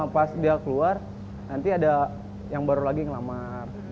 pas dia keluar nanti ada yang baru lagi ngelamar